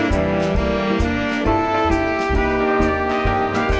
โปรดติดตามต่อไป